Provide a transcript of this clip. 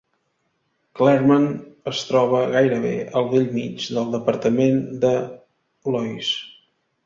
Clermont es troba gairebé al bell mig del departament de l'Oise.